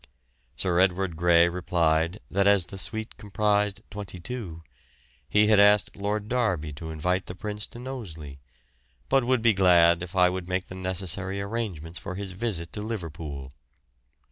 Sir Edward Grey replied that as the suite comprised twenty two he had asked Lord Derby to invite the Prince to Knowsley, but would be glad if I would make the necessary arrangements for his visit to Liverpool.